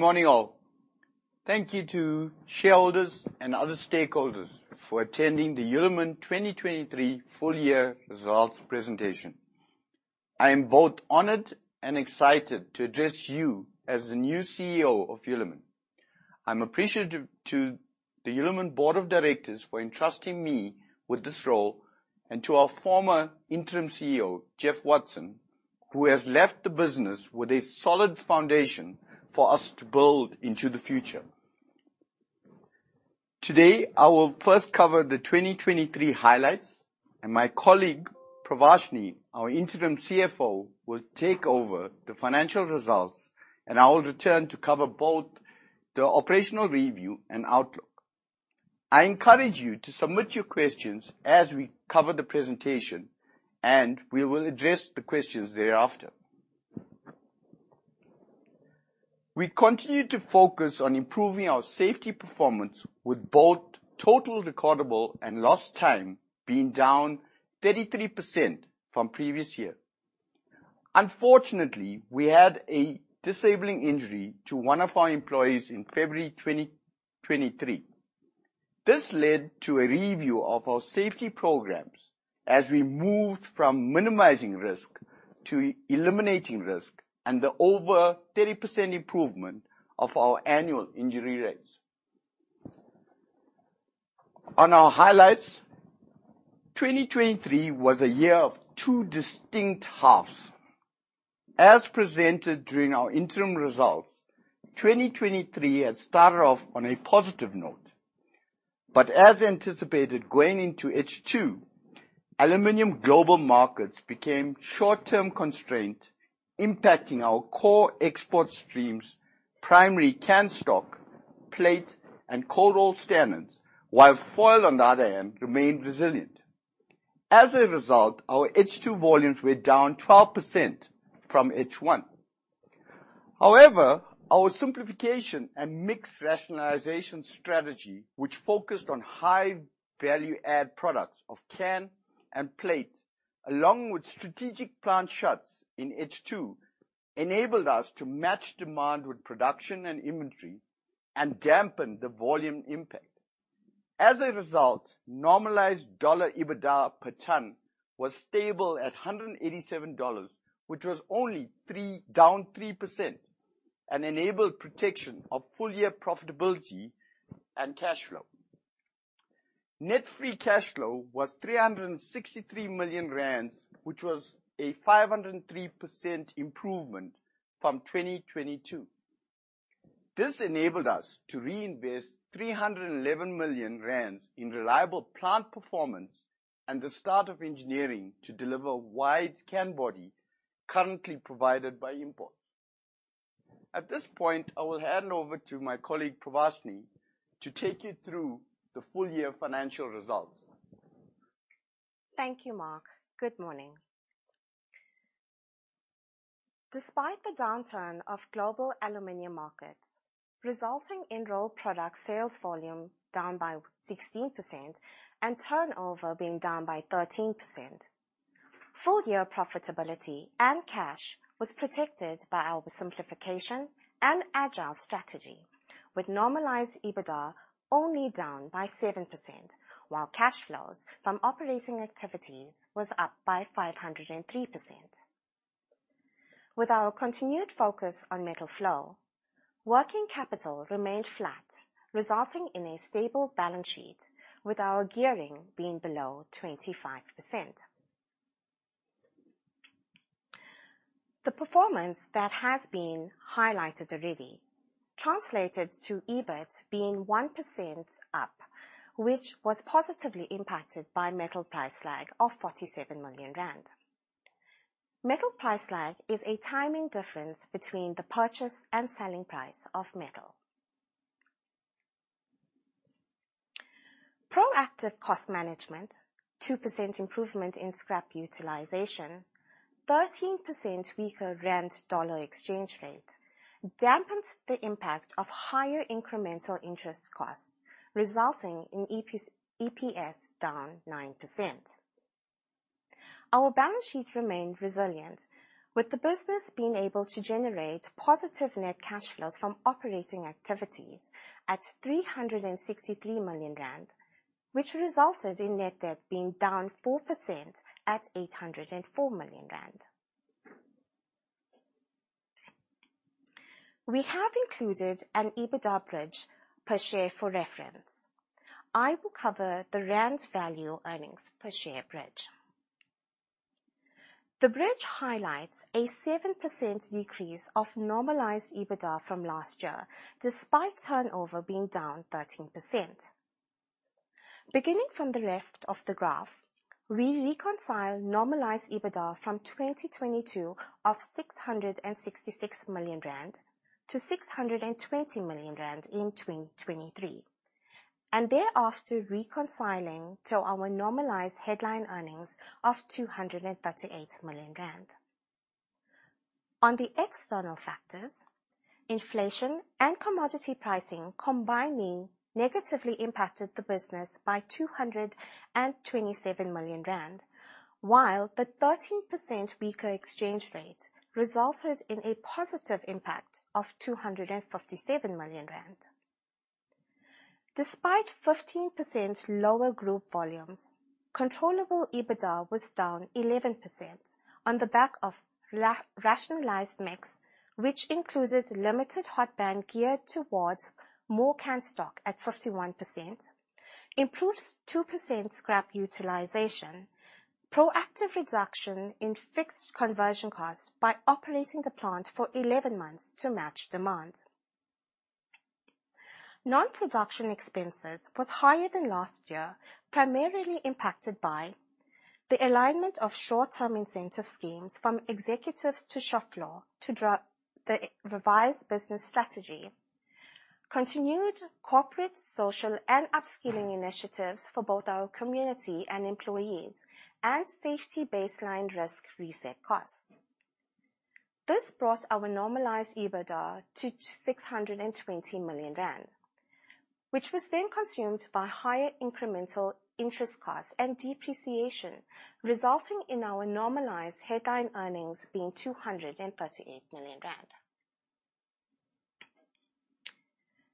Good morning, all. Thank you to shareholders and other stakeholders for attending the Hulamin 2023 full year results presentation. I am both honored and excited to address you as the new CEO of Hulamin. I'm appreciative to the Hulamin Board of Directors for entrusting me with this role and to our former Interim CEO, Jeff Watson, who has left the business with a solid foundation for us to build into the future. Today, I will first cover the 2023 highlights, and my colleague, Pravashni, our Interim CFO, will take over the financial results, and I will return to cover both the operational review and outlook. I encourage you to submit your questions as we cover the presentation, and we will address the questions thereafter. We continue to focus on improving our safety performance with both total recordable and lost time being down 33% from previous year. Unfortunately, we had a disabling injury to one of our employees in February 2023. This led to a review of our safety programs as we moved from minimizing risk to eliminating risk and the over 30% improvement of our annual injury rates. On our highlights, 2023 was a year of two distinct halves. As presented during our interim results, 2023 had started off on a positive note. As anticipated going into H2, aluminum global markets became short-term constrained, impacting our core export streams, primary can stock, plate, and cold roll standards, while foil on the other end remained resilient. As a result, our H2 volumes were down 12% from H1. However, our simplification and mix rationalization strategy, which focused on high value add products of can and plate, along with strategic plant shuts in H2, enabled us to match demand with production and inventory and dampen the volume impact. As a result, normalized dollar EBITDA per ton was stable at $187, which was only down 3% and enabled protection of full year profitability and cash flow. Net free cash flow was 363 million rand, which was a 503% improvement from 2022. This enabled us to reinvest 311 million rand in reliable plant performance and the start of engineering to deliver wide can body currently provided by imports. At this point, I will hand over to my colleague, Pravashni, to take you through the full year financial results. Thank you, Mark. Good morning. Despite the downturn of global aluminum markets resulting in raw product sales volume down by 16% and turnover being down by 13%, full year profitability and cash was protected by our simplification and agile strategy, with normalized EBITDA only down by 7%, while cash flows from operating activities was up by 503%. With our continued focus on metal flow, working capital remained flat, resulting in a stable balance sheet with our gearing being below 25%. The performance that has been highlighted already translated to EBIT being 1% up, which was positively impacted by metal price lag of 47 million rand. Metal price lag is a timing difference between the purchase and selling price of metal. Proactive cost management, 2% improvement in scrap utilization, 13% weaker rand-dollar exchange rate dampened the impact of higher incremental interest costs, resulting in HEPS down 9%. Our balance sheet remained resilient, with the business being able to generate positive net cash flows from operating activities at 363 million rand, which resulted in net debt being down 4% at 804 million. We have included an EBITDA bridge per share for reference. I will cover the rand value earnings per share bridge. The bridge highlights a 7% decrease of normalized EBITDA from last year, despite turnover being down 13%. Beginning from the left of the graph, we reconcile normalized EBITDA from 2022 of 666 million rand to 620 million rand in 2023, and thereafter reconciling to our normalized headline earnings of 238 million rand. On the external factors, inflation and commodity pricing combining negatively impacted the business by 227 million rand, while the 13% weaker exchange rate resulted in a positive impact of 257 million rand. Despite 15% lower group volumes, controllable EBITDA was down 11% on the back of rationalized mix, which included limited hot band geared towards more can stock at 51%, improved 2% scrap utilization, proactive reduction in fixed conversion costs by operating the plant for 11 months to match demand. Non-production expenses was higher than last year, primarily impacted by the alignment of short-term incentive schemes from executives to shop floor, the revised business strategy, continued corporate, social, and upskilling initiatives for both our community and employees, and safety baseline risk reset costs. This brought our normalized EBITDA to 620 million rand, which was then consumed by higher incremental interest costs and depreciation, resulting in our normalized headline earnings being 238 million rand.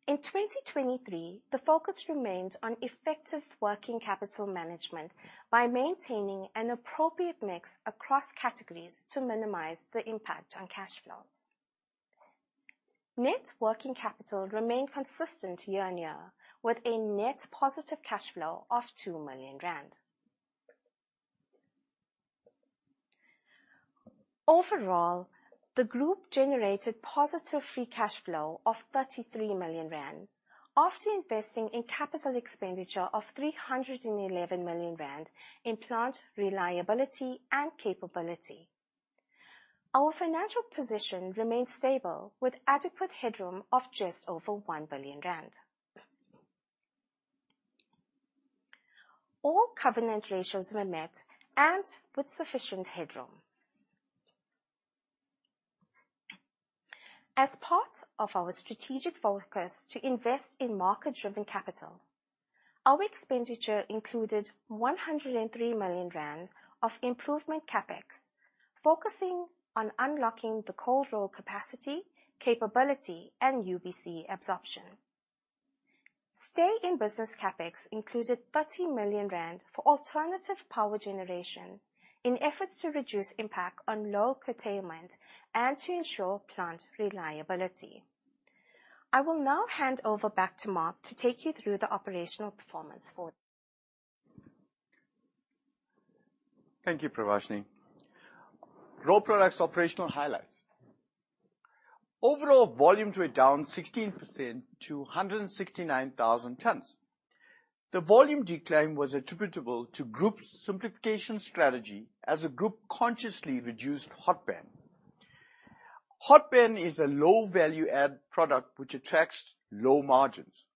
In 2023, the focus remained on effective working capital management by maintaining an appropriate mix across categories to minimize the impact on cash flows. Net working capital remained consistent year-on-year, with a net positive cash flow of 2 million rand. Overall, the group generated positive free cash flow of 33 million rand after investing in capital expenditure of 311 million rand in plant reliability and capability. Our financial position remains stable with adequate headroom of just over 1 billion rand. All covenant ratios were met and with sufficient headroom. As part of our strategic focus to invest in market-driven capital, our expenditure included 103 million rand of improvement CapEx, focusing on unlocking the cold roll capacity, capability, and UBC absorption. Stay-in-business CapEx included 30 million rand for alternative power generation in efforts to reduce impact on load curtailment and to ensure plant reliability. I will now hand over back to Mark to take you through the operational performance for. Thank you, Pravashni. Raw products operational highlights. Overall volume were down 16% to 169,000 tons. The volume decline was attributable to group's simplification strategy as the group consciously reduced hot band. Hot band is a low value add product which attracts low margins.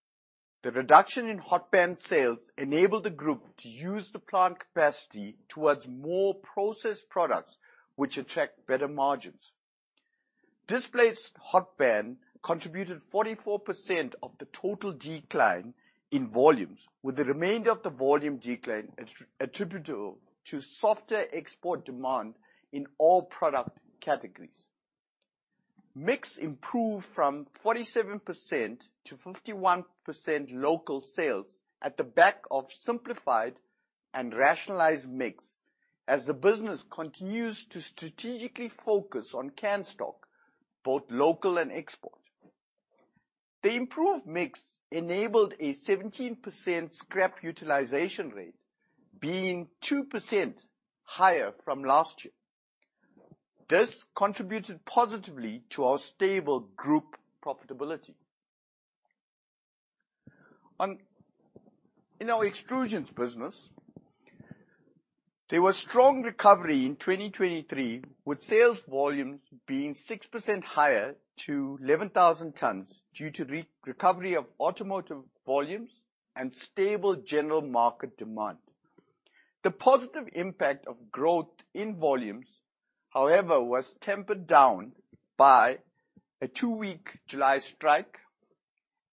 The reduction in hot band sales enabled the group to use the plant capacity towards more processed products which attract better margins. Displaced hot band contributed 44% of the total decline in volumes, with the remainder of the volume decline attributable to softer export demand in all product categories. Mix improved from 47% to 51% local sales on the back of simplified and rationalized mix as the business continues to strategically focus on can stock, both local and export. The improved mix enabled a 17% scrap utilization rate being 2% higher from last year. This contributed positively to our stable group profitability. In our extrusions business, there was strong recovery in 2023, with sales volumes being 6% higher to 11,000 tons due to re-recovery of automotive volumes and stable general market demand. The positive impact of growth in volumes, however, was tempered down by a two-week July strike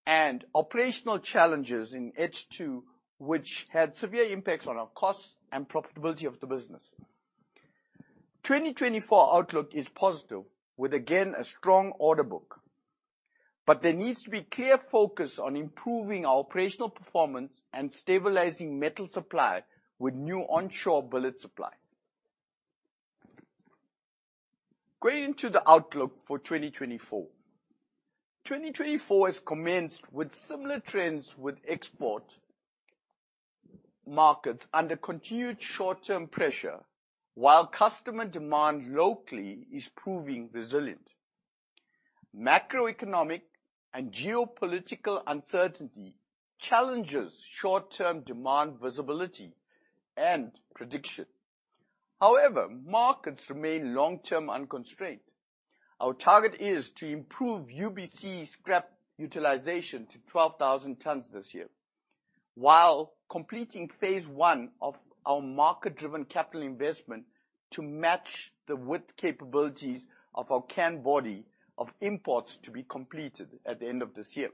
and operational challenges in H2, which had severe impacts on our costs and profitability of the business. 2024 outlook is positive with again a strong order book. But the needs to be clear focus on improving our operational performance and stabilizing metal supply with new onshore billet supply. Going to the outlook for 2024. 2024 has commenced with similar trends with export markets under continued short-term pressure, while customer demand locally is proving resilient. Macroeconomic and geopolitical uncertainty challenges short-term demand visibility and prediction. However, markets remain long-term unconstrained. Our target is to improve UBC scrap utilization to 12,000 tons this year, while completing phase one of our market-driven capital investment to match the width capabilities of our can-body stock of imports to be completed at the end of this year.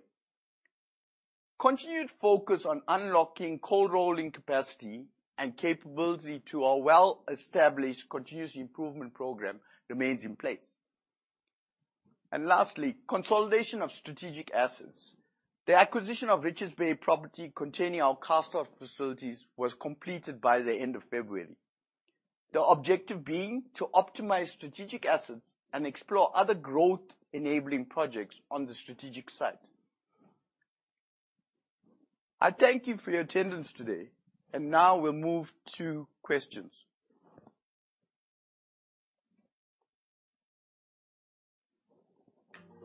Continued focus on unlocking cold rolling capacity and capability to our well-established continuous improvement program remains in place. Lastly, consolidation of strategic assets. The acquisition of Richards Bay property containing our cast house facilities was completed by the end of February. The objective being to optimize strategic assets and explore other growth-enabling projects on the strategic side. I thank you for your attendance today, and now we'll move to questions.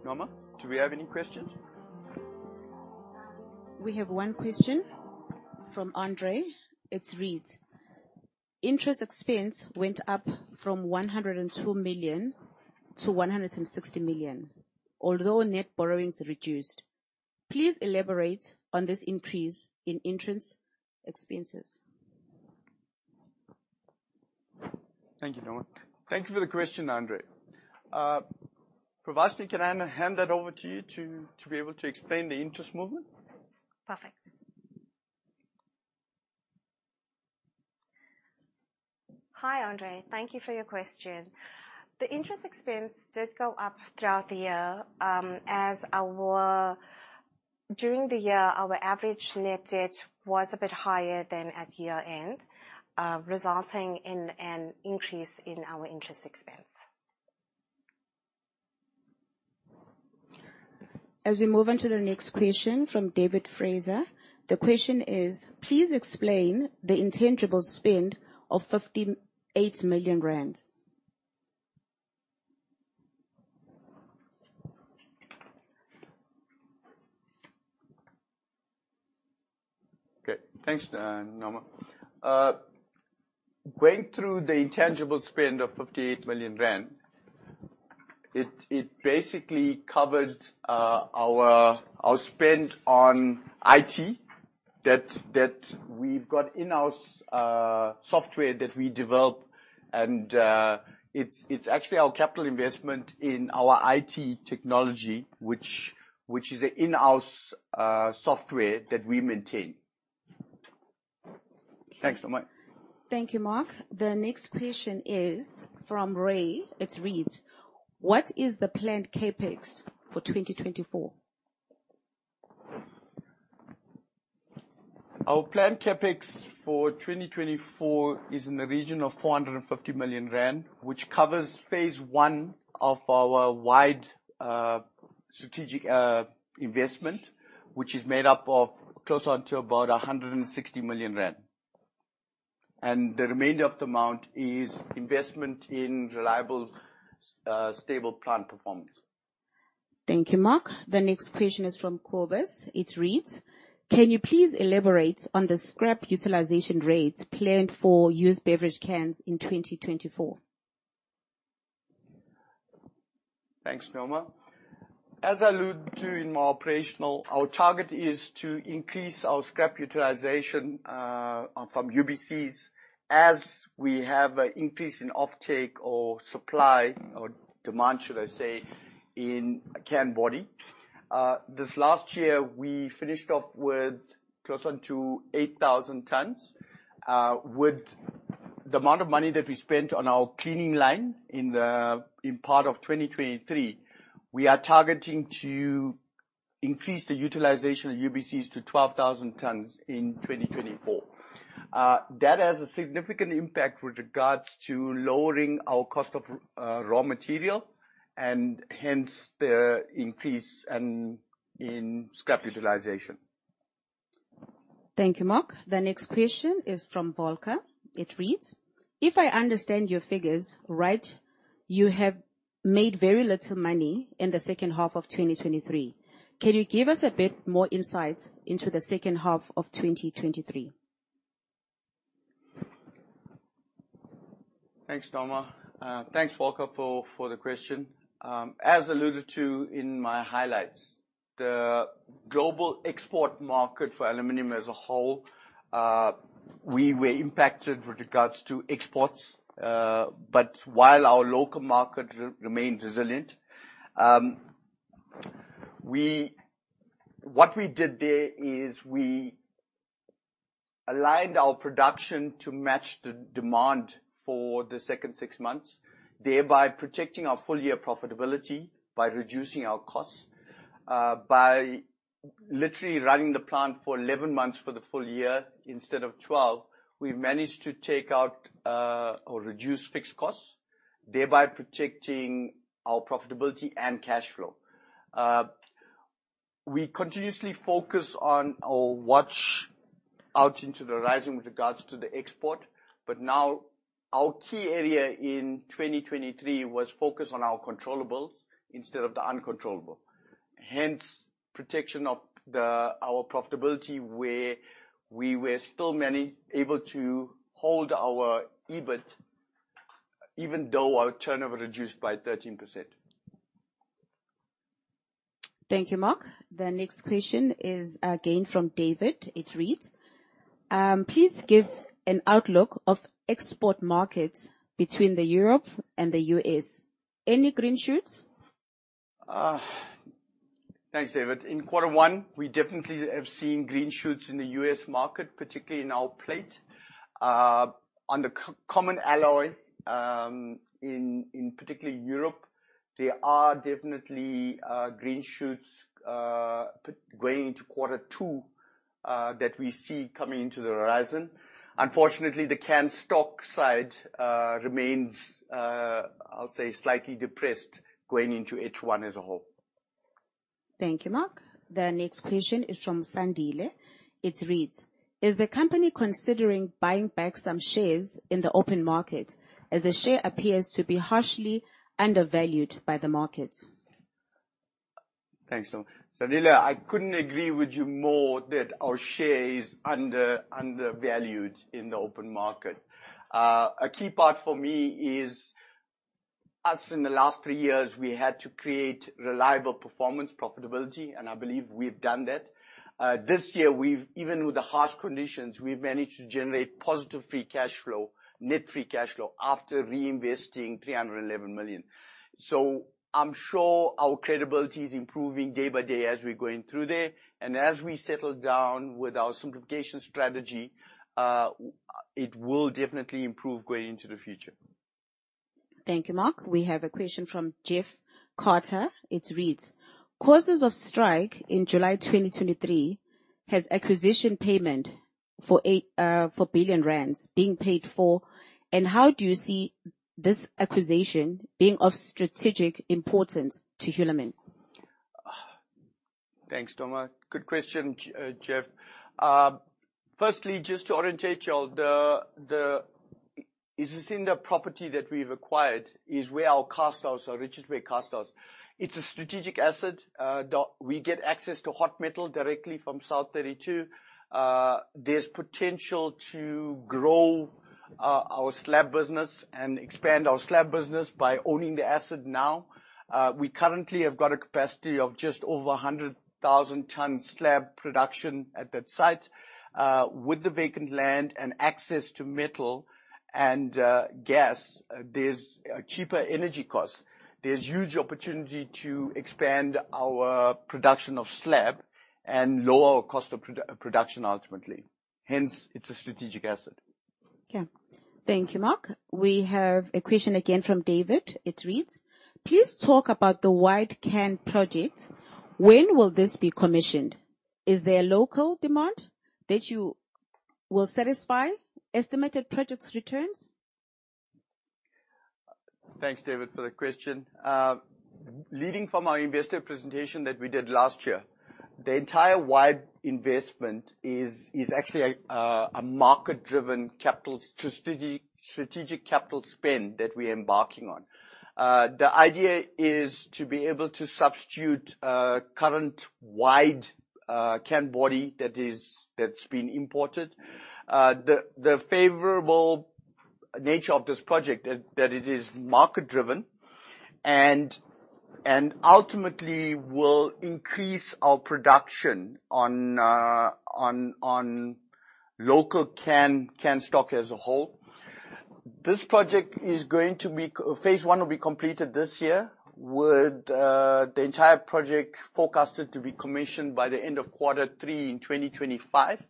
Noma, do we have any questions? We have one question from Andre. It reads, "Interest expense went up from 102 million to 160 million, although net borrowings reduced. Please elaborate on this increase in interest expenses." Thank you, Noma. Thank you for the question, Andre. Pravashni, can I hand that over to you to be able to explain the interest movement? Perfect. Hi, Andre. Thank you for your question. The interest expense did go up throughout the year. During the year, our average net debt was a bit higher than at year-end, resulting in an increase in our interest expense. As we move on to the next question from David Fraser. The question is, "Please explain the intangible spend of 58 million rand." Okay. Thanks, Noma. Going through the intangible spend of 58 million rand, it basically covered our spend on IT that we've got in-house software that we developed. It's actually our capital investment in our IT technology, which is an in-house software that we maintain. Thanks, Noma. Thank you, Mark. The next question is from Ray. It reads, "What is the planned CapEx for 2024?" Our planned CapEx for 2024 is in the region of 450 million rand, which covers Phase 1 of our wide strategic investment, which is made up of close on to about 160 million rand. The remainder of the amount is investment in reliable, stable plant performance. Thank you, Mark. The next question is from Kobus. It reads, "Can you please elaborate on the scrap utilization rates planned for used beverage cans in 2024?" Thanks, Noma. As I alluded to in my operational, our target is to increase our scrap utilization from UBCs as we have an increase in offtake or supply or demand, should I say, in can-body stock. This last year, we finished off with close on to 8,000 tons. With the amount of money that we spent on our cleaning line in part of 2023, we are targeting to increase the utilization of UBCs to 12,000 tons in 2024. That has a significant impact with regards to lowering our cost of raw material and hence the increase in scrap utilization. Thank you, Mark. The next question is from Volker. It reads, "If I understand your figures right, you have made very little money in the second half of 2023. Can you give us a bit more insight into the second half of 2023?" Thanks, Noma. Thanks, Volker, for the question. As alluded to in my highlights, the global export market for aluminum as a whole, we were impacted with regards to exports, but while our local market remained resilient. What we did there is we aligned our production to match the demand for the second six months, thereby protecting our full-year profitability by reducing our costs. By literally running the plant for 11 months for the full year instead of 12, we managed to take out, or reduce fixed costs, thereby protecting our profitability and cash flow. We continuously focus on or watch out into the horizon with regards to the export, but now our key area in 2023 was focused on our controllables instead of the uncontrollable. Hence, protection of our profitability, where we were still manageable to hold our EBIT, even though our turnover reduced by 13%. Thank you, Mark. The next question is again from David. It reads, "Please give an outlook of export markets between Europe and the U.S. Any green shoots?" Thanks, David. In quarter one, we definitely have seen green shoots in the U.S. market, particularly in our plate. On the common alloy, particularly in Europe, there are definitely green shoots going into quarter two that we see coming into the horizon. Unfortunately, the can stock side remains, I'll say slightly depressed going into H1 as a whole. Thank you, Mark. The next question is from Sandile. It reads, "Is the company considering buying back some shares in the open market as the share appears to be harshly undervalued by the market?" Thanks, Noma. Sandile, I couldn't agree with you more that our share is undervalued in the open market. A key part for me is, in the last three years, we had to create reliable performance profitability, and I believe we've done that. This year, even with the harsh conditions, we've managed to generate positive free cash flow, net free cash flow after reinvesting 311 million. I'm sure our credibility is improving day-by-day as we're going through there and as we settle down with our simplification strategy, it will definitely improve going into the future. Thank you. Mark. We have a question from Jeff Carter. It reads, "Causes of strike in July 2023. Has acquisition payment for 8.4 billion rand being paid for, and how do you see this acquisition being of strategic importance to Hulamin?" Thanks, Noma. Good question, Jeff. Firstly, just to orientate you all, the Isizinda property that we've acquired is where our cast house are. It's a strategic asset. We get access to hot metal directly from South32. There's potential to grow our slab business and expand our slab business by owning the asset now. We currently have got a capacity of just over 100,000 ton slab production at that site. With the vacant land and access to metal and gas, there's cheaper energy costs. There's huge opportunity to expand our production of slab and lower our cost of production, ultimately. Hence, it's a strategic asset. Okay. Thank you, Mark. We have a question again from David. It reads, "Please talk about the wide can-body project. When will this be commissioned? Is there a local demand that you will satisfy? Estimated project's returns." Thanks, David, for the question. Leading from our investor presentation that we did last year, the entire wide investment is actually a market-driven strategic capital spend that we're embarking on. The idea is to be able to substitute current wide can-body stock that's been imported. The favorable nature of this project is that it is market-driven and ultimately will increase our production on local can stock as a whole. Phase 1 will be completed this year, with the entire project forecasted to be commissioned by the end of quarter three in 2025.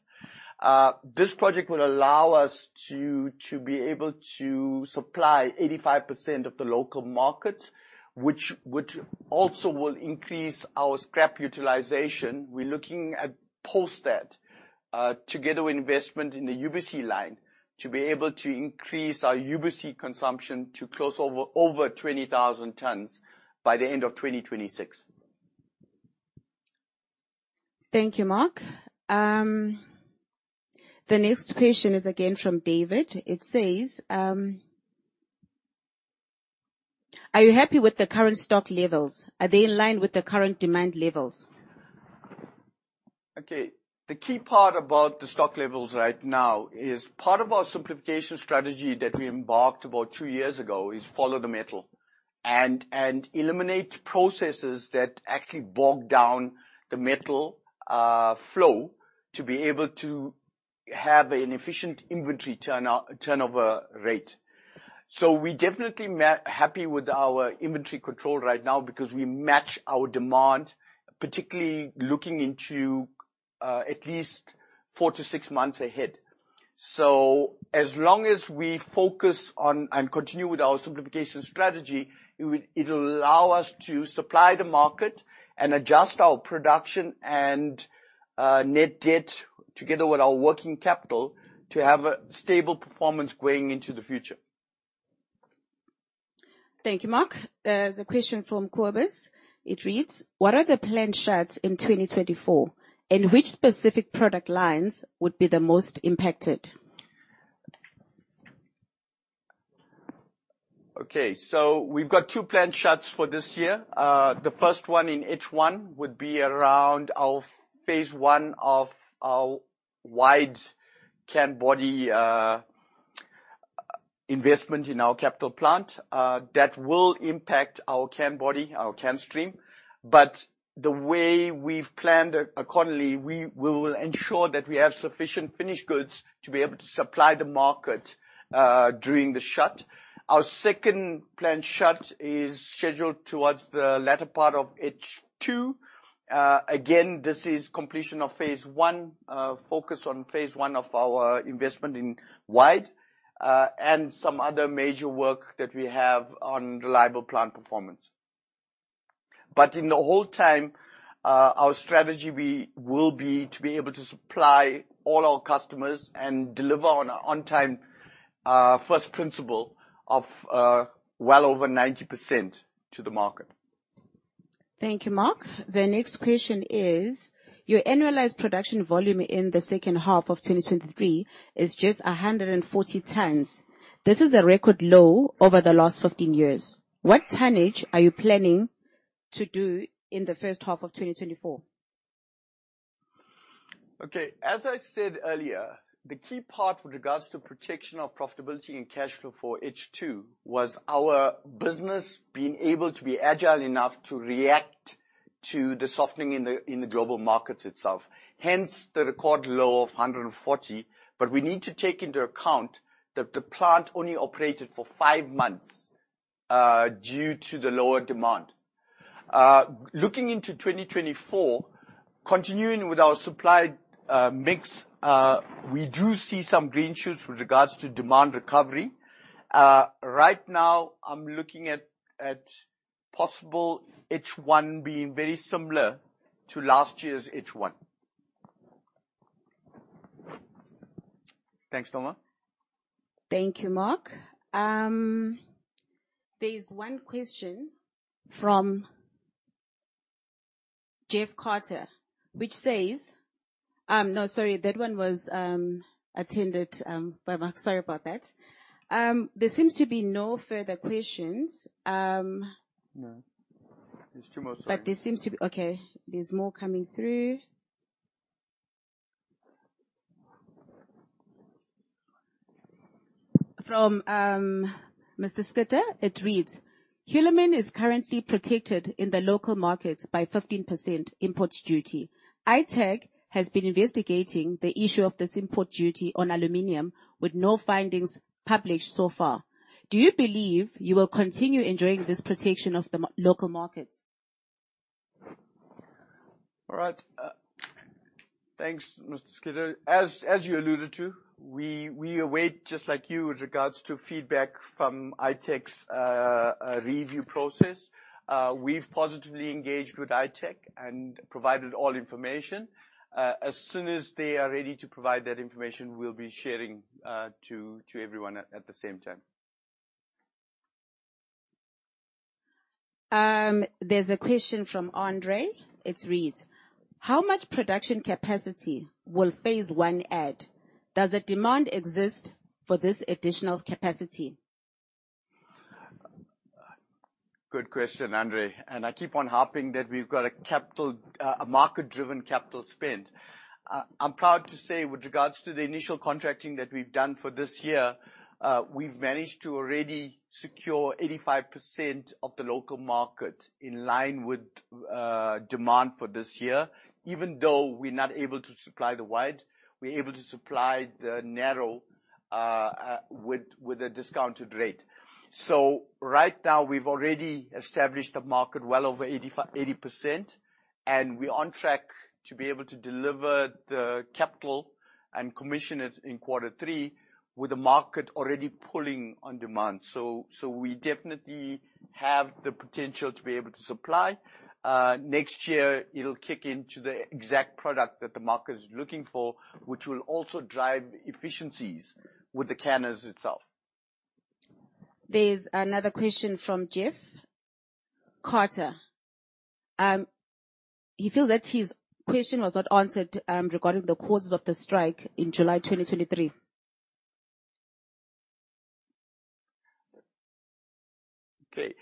This project will allow us to be able to supply 85% of the local market, which also will increase our scrap utilization. We're looking at post that, together with investment in the UBC line, to be able to increase our UBC consumption to close over 20,000 tons by the end of 2026. Thank you, Mark. The next question is again from David. It says, "Are you happy with the current stock levels? Are they in line with the current demand levels?" Okay. The key part about the stock levels right now is part of our simplification strategy that we embarked about two years ago is follow the metal and eliminate processes that actually bog down the metal flow to be able to have an efficient inventory turnover rate. We're definitely happy with our inventory control right now because we match our demand, particularly looking into at least four to six months ahead. As long as we focus on and continue with our simplification strategy, it'll allow us to supply the market and adjust our production and net debt together with our working capital to have a stable performance going into the future. Thank you, Mark. There's a question from Kobus. It reads, "What are the planned shutdowns in 2024, and which specific product lines would be the most impacted?" We've got two planned shuts for this year. The first one in H1 would be around our Phase 1 of our wide can-body coils investment in our capital plant that will impact our can-body stock, our can stream. The way we've planned accordingly, we will ensure that we have sufficient finished goods to be able to supply the market during the shut. Our second plant shut is scheduled towards the latter part of H2. Again, this is completion of Phase 1 focus on phase one of our investment in wide and some other major work that we have on reliable plant performance. In the whole time, our strategy will be to be able to supply all our customers and deliver on time first principle of well over 90% to the market. Thank you, Mark. The next question is, "Your annualized production volume in the second half of 2023 is just 140 tons. This is a record low over the last 15 years. What tonnage are you planning to do in the first half of 2024?" Okay. As I said earlier, the key part with regards to protection of profitability and cash flow for H2 was our business being able to be agile enough to react to the softening in the global markets itself. Hence, the record low of $140. We need to take into account that the plant only operated for five months due to the lower demand. Looking into 2024, continuing with our supply mix, we do see some green shoots with regards to demand recovery. Right now I'm looking at possible H1 being very similar to last year's H1. Thanks, Noma. Thank you, Mark. There's one question from Jeff Carter. No, sorry, that one was answered by Mark. Sorry about that. There seems to be no further questions. No. There's two more. There seems to be. Okay, there's more coming through from Mr. Schekter, "It reads, "Hulamin is currently protected in the local market by 15% import duty. ITAC has been investigating the issue of this import duty on aluminum with no findings published so far. Do you believe you will continue enjoying this protection of the local market?" All right. Thanks, Mr. Schekter. As you alluded to, we await just like you with regards to feedback from ITAC's review process. We've positively engaged with ITAC and provided all information. As soon as they are ready to provide that information, we'll be sharing to everyone at the same time. There's a question from Andre. It reads, "How much production capacity will phase one add? Does the demand exist for this additional capacity?" Good question, Andre. I keep on harping that we've got a market-driven capital spend. I'm proud to say with regards to the initial contracting that we've done for this year, we've managed to already secure 85% of the local market in line with demand for this year. Even though we're not able to supply the wide, we're able to supply the narrow with a discounted rate. Right now we've already established the market well over 80%, and we're on track to be able to deliver the capital and commission it in quarter three with the market already pulling on demand. We definitely have the potential to be able to supply. Next year it'll kick into the exact product that the market is looking for which will also drive efficiencies with the canners itself. There's another question from Jeff Carter. He feels that his question was not answered, regarding the causes of the strike in July 2023. Okay.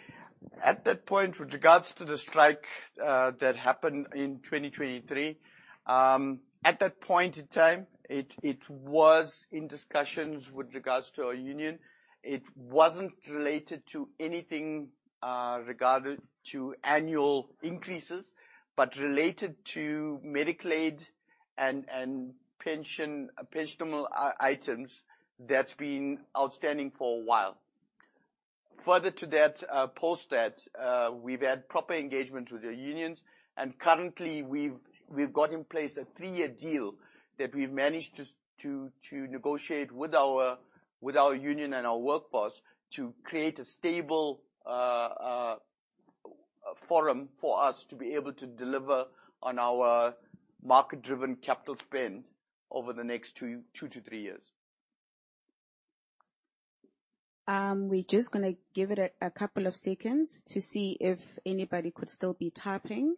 At that point with regards to the strike that happened in 2023, at that point in time it was in discussions with regards to our union. It wasn't related to anything regarded to annual increases, but related to medical aid and pension, pensionable items that's been outstanding for a while. Further to that, post that, we've had proper engagement with the unions and currently we've got in place a three-year deal that we've managed to negotiate with our union and our workforce to create a stable forum for us to be able to deliver on our market-driven capital spend over the next two to three years. We're just gonna give it a couple of seconds to see if anybody could still be typing.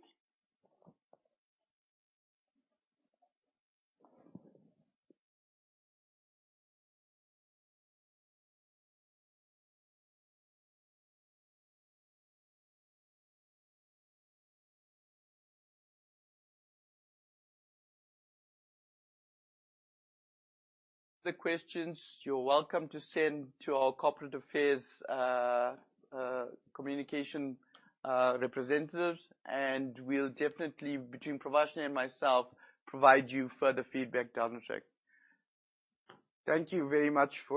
The questions you're welcome to send to our corporate affairs, communication, representative, and we'll definitely between Pravashni and myself, provide you further feedback down the track. Thank you very much for.